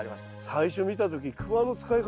最初見た時クワの使い方